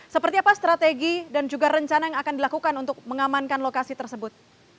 seperti apa strategi dan juga rencana yang akan dilakukan untuk mengamankan lokasi tersebut